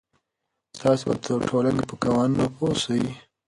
تاسې به د ټولنې په قوانینو پوه سئ.